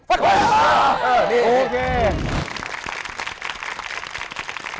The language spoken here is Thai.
โอเค